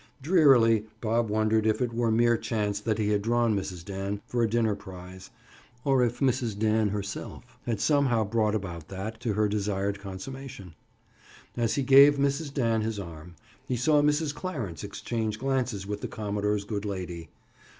Drearily Bob wondered if it were mere chance that he had drawn Mrs. Dan for a dinner prize, or if Mrs. Dan herself had somehow brought about that, to her, desired consummation. As he gave Mrs. Dan his arm he saw Mrs. Clarence exchange glances with the commodore's good lady.